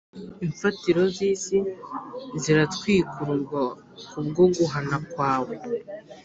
Imfatiro z’isi ziratwikururwa ku bwo guhana kwawe